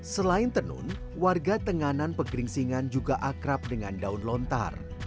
selain tenun warga tenganan pegeringsingan juga akrab dengan daun lontar